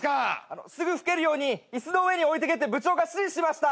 すぐ吹けるように椅子の上に置いとけって部長が指示しました。